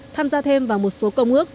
tham gia thêm vào một số công ước